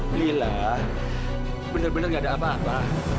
lila benar benar nggak ada apa apa